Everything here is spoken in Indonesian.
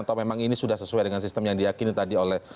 atau memang ini sudah sesuai dengan sistem yang diakini tadi oleh